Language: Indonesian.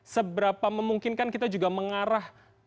seberapa memungkinkan kita juga mengarah